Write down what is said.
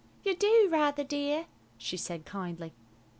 "You do rather, dear," she said kindly.